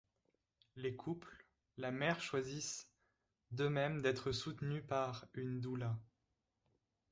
Les couples, la mère choisissent d'eux-mêmes d'être soutenus par une doula.